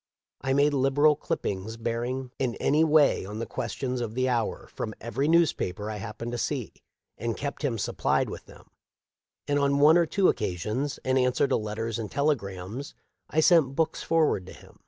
I made liberal clip pings bearing in any way on the questions of the hour from every newspaper I happened to see, and kept him supplied with them; and on one or two occasions, in answer to letters and telegrams, I sent books forward to him.